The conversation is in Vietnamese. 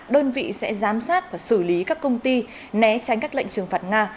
đơn vị sẽ giám sát và xử lý các công ty né tránh các lệnh trừng phạt nga